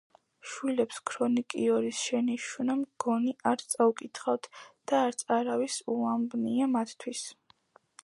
შვილებს ქრონიკიორის შენიშვნა, მგონი, არ წაუკითხავთ და არც არავის უამბნია მათთვის.